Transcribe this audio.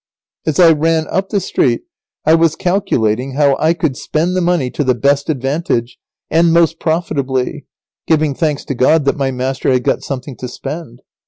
As I ran up the street I was calculating how I could spend the money to the best advantage and most profitably, giving thanks to God that my master had got something to spend.